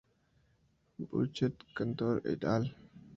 Bouchet, Kantor et al.